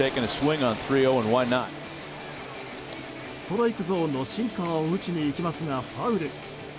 ストライクゾーンのシンカーを打ちに行きますがファウル。